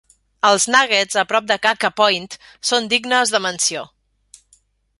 Els Nuggets a prop de Kaka Point són dignes de menció.